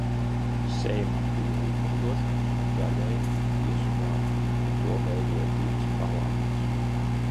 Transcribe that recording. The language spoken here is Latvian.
Seimam bija likumdošanas un daļēji tiesu vara, un to veidoja divas palātas.